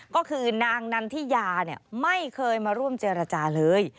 ก็คือนางนันทิยาไม่เคยมาร่วมเจรจาเลย